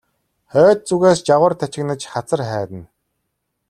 Хойд зүгээс жавар тачигнаж хацар хайрна.